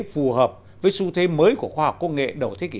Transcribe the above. phù hợp với xu thế mới của khoa học công nghệ đầu thế kỷ hai mươi một